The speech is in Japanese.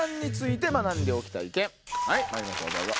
まいりましょうどうぞ。